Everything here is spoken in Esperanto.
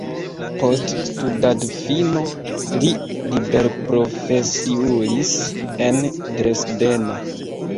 Post studadfino li liberprofesiulis en Dresdeno.